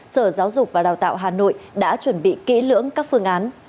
sở giáo dục và đào tạo hà nội đã chuẩn bị kỹ lưỡng các phương án